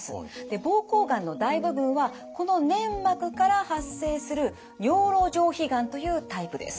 膀胱がんの大部分はこの粘膜から発生する尿路上皮がんというタイプです。